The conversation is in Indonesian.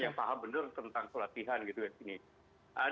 yang paham benar tentang pelatihan gitu ya